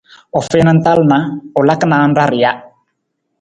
U fiin i tal na, u laka naan ra rija.